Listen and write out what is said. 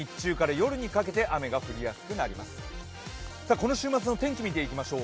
この週末の天気を見ていきましょう。